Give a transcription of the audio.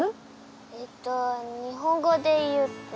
ええっと日本語で言うと。